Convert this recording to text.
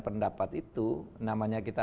pendapat itu namanya kita